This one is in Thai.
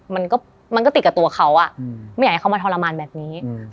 มันก็มันก็ติดกับตัวเขาอ่ะไม่อยากให้เขามาทรมานแบบนี้